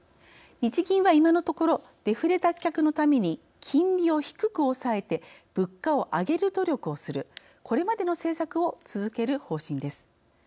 日銀は今のところデフレ脱却のために金利を低く抑えて物価を上げる努力をするこれまでの政策を続ける方針です。